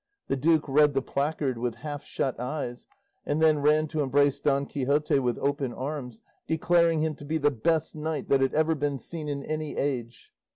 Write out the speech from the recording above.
The duke read the placard with half shut eyes, and then ran to embrace Don Quixote with open arms, declaring him to be the best knight that had ever been seen in any age.